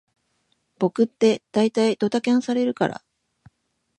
僕ってだいたいドタキャンされるから